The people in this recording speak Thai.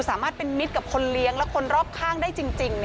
สามารถเป็นมิตรกับคนเลี้ยงและคนรอบข้างได้จริง